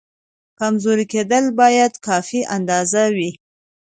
کمزوری کېدل باید کافي اندازه وي.